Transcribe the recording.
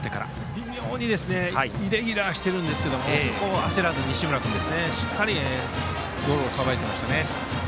微妙にイレギュラーしているんですが西村君、そこを焦らずにしっかりゴロをさばきました。